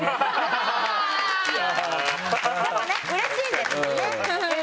でもねうれしいんですもんね。